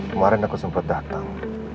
kemarin aku sempat datang